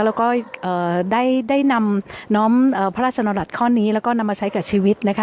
แล้วก็ได้นำน้อมพระราชนรัฐข้อนี้แล้วก็นำมาใช้กับชีวิตนะคะ